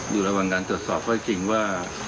อยู่ระหว่างการตรวจสอบข้อจริงว่า